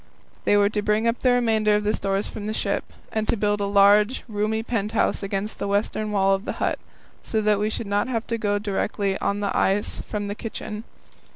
They were to bring up the remainder of the stores from the ship, and to build a large, roomy pent house against the western wall of the hut, so that we should not have to go directly on to the ice from the kitchen.